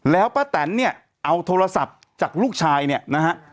แล้วป้าแตนเนี่ยเอาโทรศัพท์จากลูกชายเนี่ยนะฮะ